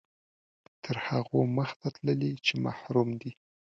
تر هغو مخته تللي چې محروم دي.